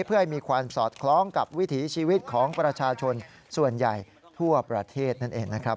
เพื่อให้มีความสอดคล้องกับวิถีชีวิตของประชาชนส่วนใหญ่ทั่วประเทศนั่นเองนะครับ